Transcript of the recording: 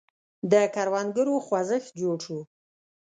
د کروندګرو خوځښت جوړ شو.